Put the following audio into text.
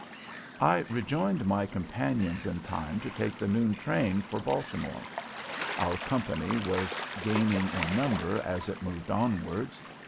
I rejoined my companions in time to take the noon train for Baltimore. Our company was gaining in number as it moved onwards.